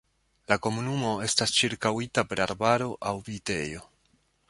La komunumo estas ĉirkaŭita per arbaro aŭ vitejo.